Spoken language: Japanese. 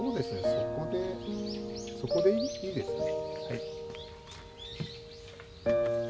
そこでそこでいいですね。